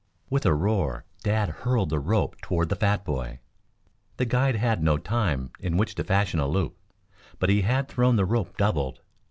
With a roar Dad hurled the rope toward the fat boy. The guide had no time in which to fashion a loop, but he had thrown the rope doubled.